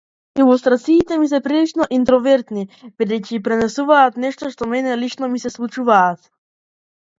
Илустрациите се прилично интровертни бидејќи пренесуваат нешта што мене лично ми се случуваат.